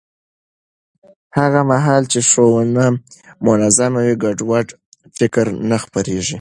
هغه مهال چې ښوونه منظم وي، ګډوډ فکر نه خپرېږي.